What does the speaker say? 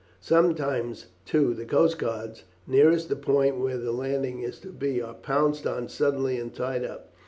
Sometimes, too, the coast guards nearest the point where the landing is to be, are pounced on suddenly and tied up.